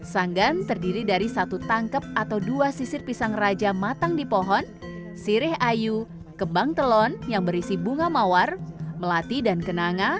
sanggan terdiri dari satu tangkep atau dua sisir pisang raja matang di pohon sirih ayu kembang telon yang berisi bunga mawar melati dan kenanga